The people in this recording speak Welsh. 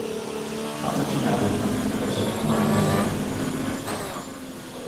Comedi newydd mewn cyfres o ddramâu byrion.